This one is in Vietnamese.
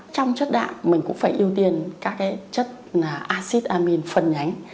trong chất đạm mình cũng phải ưu tiên các chất là acid amine phân nhánh